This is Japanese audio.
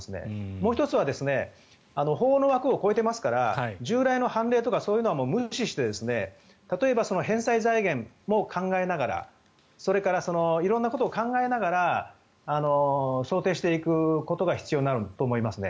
もう１つは法の枠を超えていますから従来の判例とかそういうのは無視して例えば返済財源も考えながらそれから色々なことを考えながら想定していくことが必要になると思いますね。